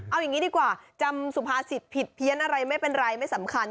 เอาอย่างนี้ดีกว่าจำสุภาษิตผิดเพี้ยนอะไรไม่เป็นไรไม่สำคัญ